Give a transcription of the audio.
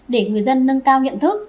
để người dân nâng cao nhận thức